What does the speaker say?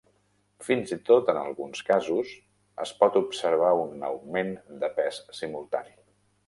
Fins i tot, en alguns casos, es pot observar un augment de pes simultani.